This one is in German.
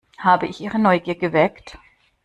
Habe ich Ihre Neugier geweckt?